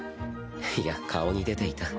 いや顔に出ていた。